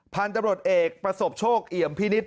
พันธุ์ตำรวจเอกประสบโชคเอี่ยมพินิษฐ